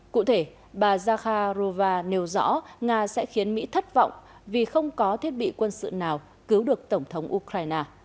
cụ thể bà zakharova nêu rõ nga sẽ khiến mỹ thất vọng vì không có thiết bị quân sự nào cứu được tổng thống ukraine